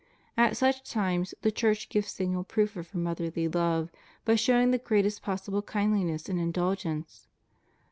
At such times the Church gives signal proof of her motherly love by showing the greatest possible kindUness and in dulgence.